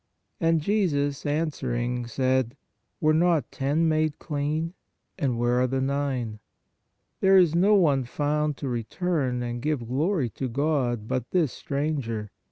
And Jesus, an swering, said: Were not ten made clean? And where are the nine? There is no one found to return and give glory to God, but this stranger.